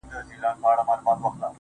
ستړى په گډا سومه ،چي، ستا سومه.